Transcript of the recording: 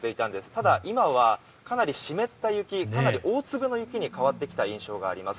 ただ、今はかなり湿った雪かなり大粒の雪に変わってきた印象があります。